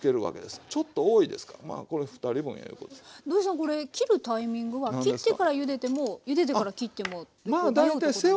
これ切るタイミングは切ってからゆでてもゆでてから切ってもってこう迷うとこなんですけども。